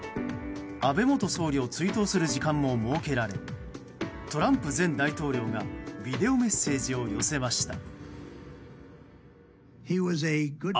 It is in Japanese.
安倍元総理を追悼する時間も設けられトランプ前大統領がビデオメッセージを寄せました。